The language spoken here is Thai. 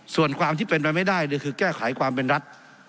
ส่วนความที่เป็นไปไม่ได้คือแก้ไขความเป็นรัฐ